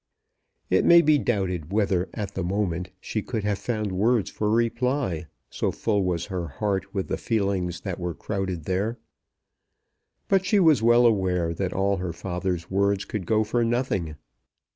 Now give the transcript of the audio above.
It may be doubted whether at the moment she could have found words for reply, so full was her heart with the feelings that were crowded there. But she was well aware that all her father's words could go for nothing.